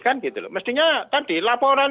kan gitu loh mestinya tadi laporan